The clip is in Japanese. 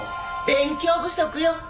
勉強不足よ。